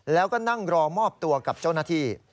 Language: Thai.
แล้วก็นั่งรอมอบตัวกับเจ้าหน้าที่